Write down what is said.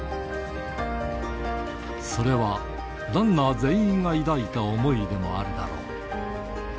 それは、ランナー全員が抱いた想いでもあるだろう。